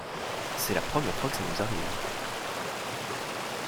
C’est la première fois que ça nous arrive...